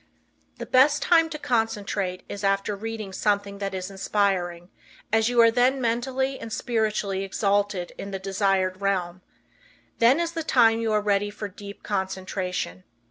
The Best Time to Concentrate Is after reading something that is inspiring, as you are then mentally and spiritually exalted in the desired realm. Then is the time you are ready for deep concentration.